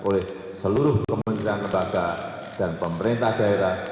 oleh seluruh kementerian lembaga dan pemerintah daerah